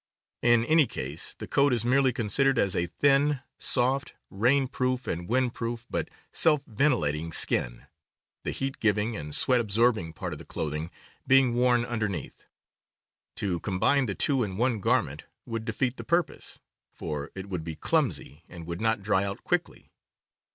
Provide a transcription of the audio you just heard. In any case the coat is merely considered as a thin, soft, rain proof and wind proof, but self ventilating, skin, the heat giving and sweat absorbing part of the clothing being worn under neath. To combine the two in one garment would defeat the purpose, for it would be clumsy and would not dry out quickly.